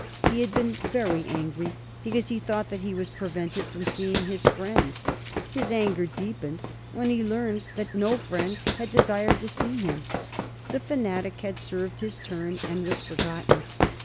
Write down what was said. He had been very angry because he thought that he was prevented from seeing his friends. His anger deepened when he learned that no friends had desired to see him. The fanatic had served his turn, and was forgotten.